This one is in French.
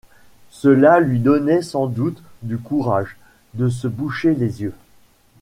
Cela lui donnait sans doute du courage, de se boucher les yeux.